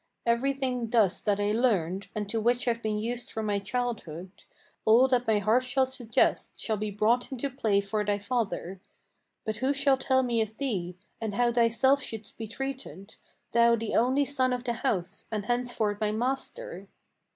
Every thing thus that I learned, and to which I've been used from my childhood, All that my heart shall suggest, shall be brought into play for thy father. But who shall tell me of thee, and how thyself shouldst be treated, Thou the only son of the house, and henceforth my master?"